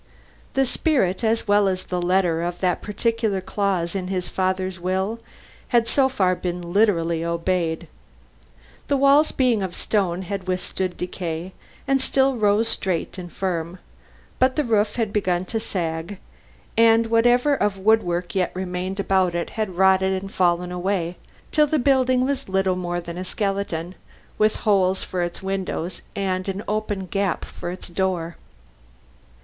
The spirit, as well as the letter, of that particular clause in his father's will had so far been literally obeyed. The walls being of stone, had withstood decay, and still rose straight and firm; but the roof had begun to sag, and whatever of woodwork yet remained about it had rotted and fallen away, till the building was little more than a skeleton, with holes for its windows and an open gap for its door.